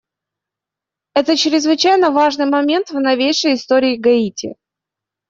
Это чрезвычайно важный момент в новейшей истории Гаити.